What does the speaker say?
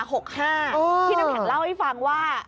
ที่น้ำแข็งเล่าให้ฟังว่า